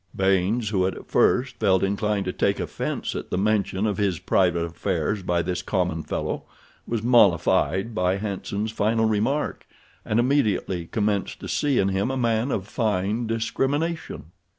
Baynes, who had at first felt inclined to take offense at the mention of his private affairs by this common fellow, was mollified by Hanson's final remark, and immediately commenced to see in him a man of fine discrimination.